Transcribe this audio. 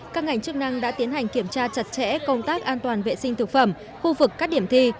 các ngành chức năng đã tiến hành kiểm tra chặt chẽ công tác an toàn vệ sinh thực phẩm khu vực các điểm thi